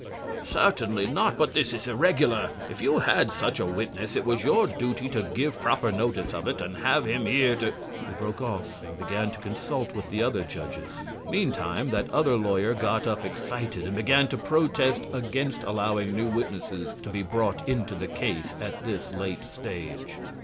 "Certainly not; but this is irregular. If you had such a witness it was your duty to give proper notice of it and have him here to " He broke off and began to consult with the other judges. Meantime that other lawyer got up excited and began to protest against allowing new witnesses to be brought into the case at this late stage.